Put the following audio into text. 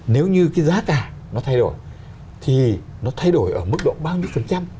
nếu như cái giá cả nó thay đổi thì nó thay đổi ở mức độ bao nhiêu phần trăm